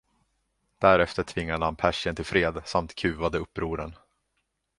Därefter tvingade han Persien till fred samt kuvade upproren.